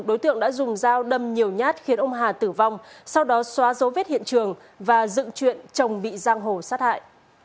đối tượng đã dùng dao đâm nhiều nhát khiến ông hà tử vong sau đó xóa dấu vết hiện trường và dựng chuyện chồng bị giang hồ sát hại